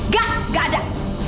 gak gak ada